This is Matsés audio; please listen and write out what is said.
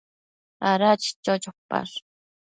Ada chicho chopash ?